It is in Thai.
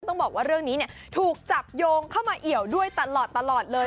ต้องบอกว่าเรื่องนี้ถูกจับโยงเข้ามาเอี่ยวด้วยตลอดเลย